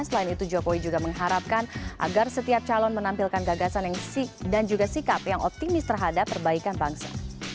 selain itu jokowi juga mengharapkan agar setiap calon menampilkan gagasan dan juga sikap yang optimis terhadap perbaikan bangsa